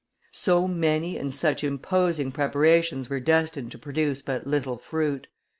So many and such imposing preparations were destined to produce but little fruit.